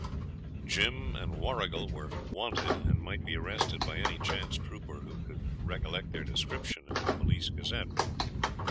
Jim and Warrigal were 'wanted', and might be arrested by any chance trooper who could recollect their description in the 'Police Gazette'.